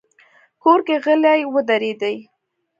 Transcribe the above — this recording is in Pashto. کور کې غلې ودرېدې.